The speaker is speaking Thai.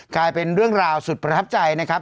กลายเป็นเรื่องราวสุดประทับใจนะครับ